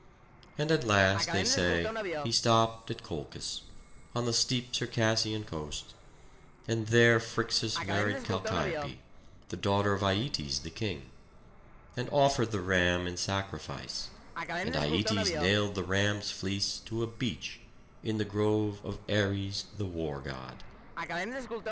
And at last, they say, he stopped at Colchis, on the steep Circassian coast; and there Phrixus married Chalchiope, the daughter of Aietes the king; and offered the ram in sacrifice; and Aietes nailed the ram's fleece to a beech, in the grove of Ares the war god.